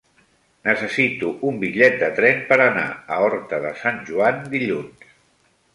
Necessito un bitllet de tren per anar a Horta de Sant Joan dilluns.